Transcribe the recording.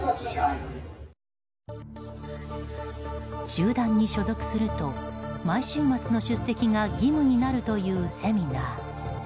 集団に所属すると毎週末の出席が義務になるというセミナー。